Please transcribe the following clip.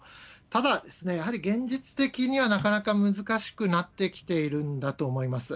ただ、やはり現実的にはなかなか難しくなってきているんだと思います。